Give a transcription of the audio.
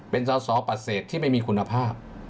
เป็นสสปัดเศษที่ไม่มีคุณภาพ